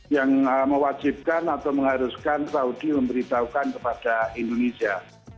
yang mewajibkan atau mengharuskan saudi memberitahukan kepada indonesia